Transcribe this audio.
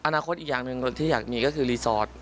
อนาคตอีกอย่างหนึ่งที่อยากมีก็คือรีสอร์ท